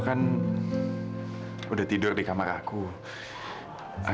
aku rencananya pengen ngajak kamu makan di luar